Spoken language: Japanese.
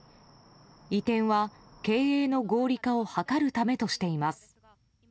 移転は、経営の合理化を図るためとしています。